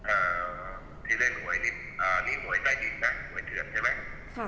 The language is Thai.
เอ่อที่เล่นหวยนี่หวยใจดินนะหวยเตือนใช่ไหม